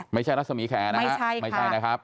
ไม่ใช่นักศมีแขนะไม่ใช่ค่ะ